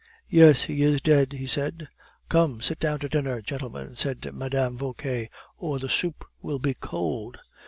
"Yes, he is dead," he said. "Come, sit down to dinner, gentlemen," said Mme. Vauquer, "or the soup will be cold."